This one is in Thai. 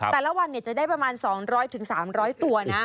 แต่ละวันจะได้ประมาณ๒๐๐๓๐๐ตัวนะ